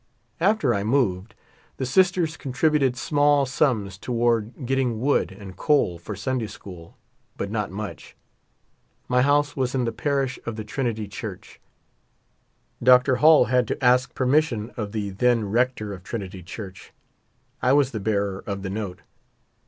After I moved, the sisters contributed small sums toward getting wood and coal for Sunday school, but not much. My house was in the parish of the Trinity Church. Dr. Hall had to ask' permission of the then rector of Trinity Church. I was the bearer of the note.